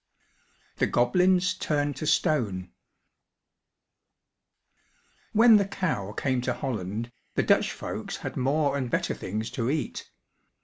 THE GOBLINS TURNED TO STONE When the cow came to Holland, the Dutch folks had more and better things to eat.